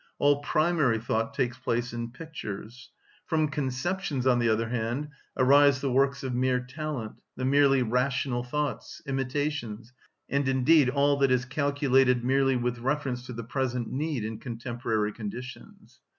All primary thought takes place in pictures. From conceptions, on the other hand, arise the works of mere talent, the merely rational thoughts, imitations, and indeed all that is calculated merely with reference to the present need and contemporary conditions.